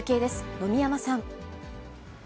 野見山さん。